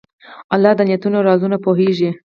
الله د نیتونو رازونه پوهېږي.